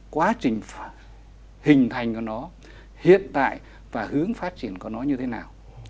quá trình hình thành của nó hiện tại và hướng phát triển của nó như thế nào